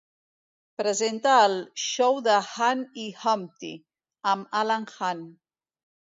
Presenta el "Show de Hahn i Humpty" amb Alan Hahn.